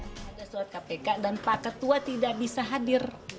tidak ada surat kpk dan pak ketua tidak bisa hadir